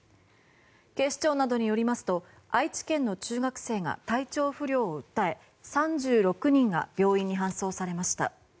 警視庁などによりますと愛知県の中学生が体調不良を訴え３６人が病院に搬送されました。